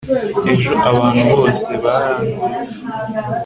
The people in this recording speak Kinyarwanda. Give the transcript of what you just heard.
ejo abantu bose baransetse